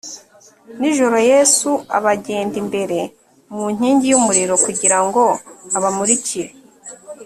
nijoro yesu abagenda imbere mu nkingi y umuriro kugira ngo abamurikire